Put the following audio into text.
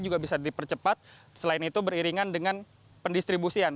juga bisa dipercepat selain itu beriringan dengan pendistribusian